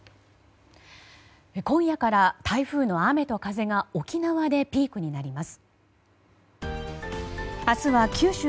今夜から台風の雨と風が沖縄でピークになります。